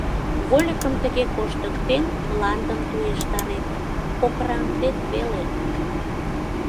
Вольыкым тыге коштыктен, мландым туештарет, кокыраҥдет веле.